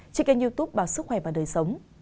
trên kênh youtube báo sức khỏe và đời sống